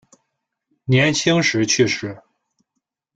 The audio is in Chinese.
年轻时去世。